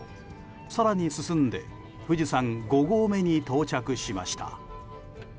更に進んで富士山５合目に到着しました。